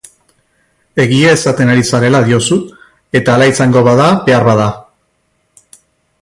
Egia esaten ari zarela diozu, eta hala izango da, beharbada.